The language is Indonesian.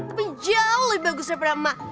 tapi jauh lebih bagus daripada mak